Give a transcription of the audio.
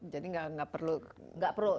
jadi gak perlu